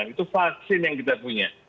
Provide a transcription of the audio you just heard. itu vaksin yang kita punya